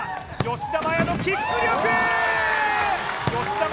吉田麻也のキック力！